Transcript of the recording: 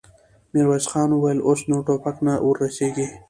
ميرويس خان وويل: اوس نو ټوپک نه ور رسېږي.